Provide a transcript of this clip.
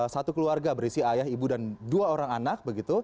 satu keluarga berisi ayah ibu dan dua orang anak